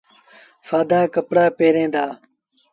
سآدآ ڪپڙآ پهريٚݩ دآ۔